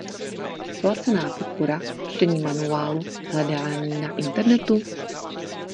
Placená podpora, čtení manuálů, hledání na Internetu?